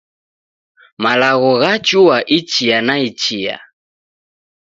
Malagho ghachua ichia na ichia